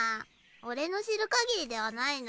俺の知るかぎりではないな。